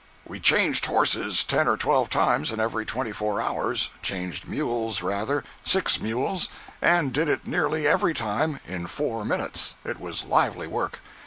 We changed horses ten or twelve times in every twenty four hours—changed mules, rather—six mules—and did it nearly every time in four minutes. It was lively work.